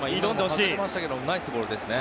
今のは外れてましたけどナイスボールですね。